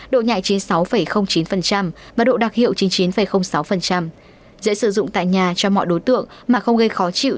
độ nhẹ chín mươi sáu chín và độ đặc hiệu chín mươi chín sáu dễ sử dụng tại nhà cho mọi đối tượng mà không gây khó chịu